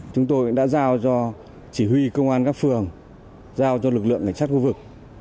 chúng tôi đã giao cho chỉ huy công an các phường giao cho lực lượng cảnh sát khu vực